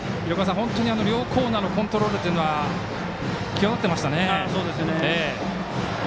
両コーナーのコントロールというのは際立ってましたね。